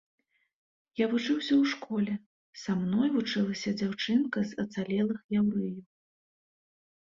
Я вучыўся ў школе, са мной вучылася дзяўчынка з ацалелых яўрэяў.